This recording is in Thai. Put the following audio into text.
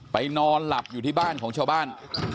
นอนหลับอยู่ที่บ้านของชาวบ้าน